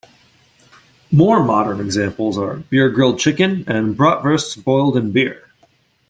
More modern examples are beer grilled chicken and bratwursts boiled in beer.